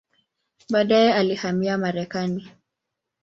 Baadaye alihamia Marekani.